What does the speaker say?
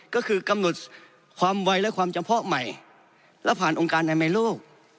ก็คือกำหนดความวัยและความจำพร้อมใหม่และผ่านองค์การอาณาโลก